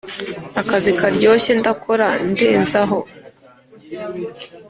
Akazi karyoshye ndakora ndenzaho